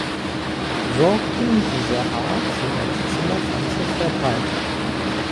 Sorten dieser Art sind als Zimmerpflanze verbreitet.